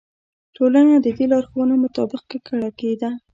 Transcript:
ټولنه د دې لارښوونو مطابق ککړه کېده.